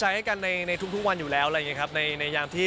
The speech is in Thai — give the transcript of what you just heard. ไอ้ที่พูดไปก่อนหน้านี้